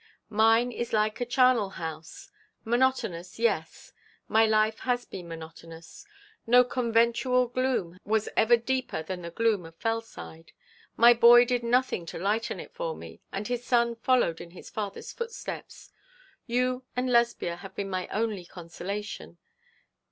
Mine is like a charnel house. Monotonous, yes; my life has been monotonous. No conventual gloom was ever deeper than the gloom of Fellside. My boy did nothing to lighten it for me, and his son followed in his father's footsteps. You and Lesbia have been my only consolation.